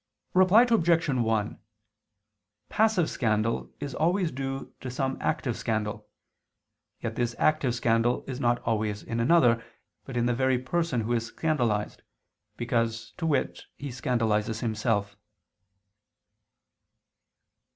Reply Obj. 1: Passive scandal is always due to some active scandal; yet this active scandal is not always in another, but in the very person who is scandalized, because, to wit, he scandalizes himself.